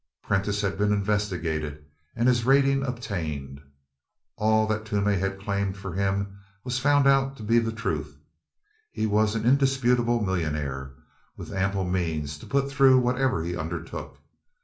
Prentiss had been investigated and his rating obtained. All that Toomey had claimed for him was found to be the truth he was an indisputable millionaire, with ample means to put through whatever he undertook.